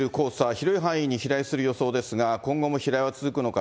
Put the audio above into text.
広い範囲に飛来する予想ですが、今後も飛来は続くのか。